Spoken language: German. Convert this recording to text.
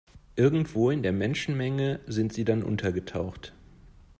Irgendwo in der Menschenmenge sind sie dann untergetaucht.